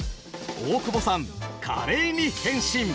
大久保さん華麗に変身。